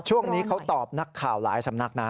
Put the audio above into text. ช่วงนี้เขาตอบนักข่าวหลายสำนักนะ